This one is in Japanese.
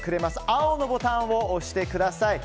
青のボタンを押してください。